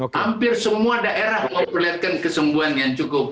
hampir semua daerah mau melihatkan kesembuhan yang cukup